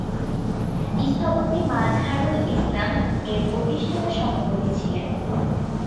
স্থপতি মাজহারুল ইসলাম এর প্রতিষ্ঠাতা সভাপতি ছিলেন।